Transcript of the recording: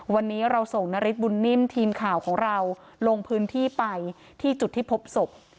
วันนี้เราส่งนฤทธบุญนิ่มทีมข่าวของเราลงพื้นที่ไปที่จุดที่พบศพ